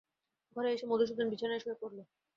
ঘরে এসে মধুসূদন বিছানায় শুয়ে পড়ল।